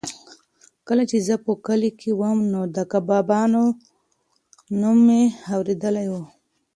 کله چې زه په کلي کې وم نو د کباب نوم مې اورېدلی و.